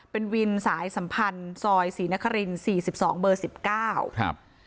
เป็นวินสายสัมพันธ์ซอยศรีนคริน๔๒เบอร์๑๙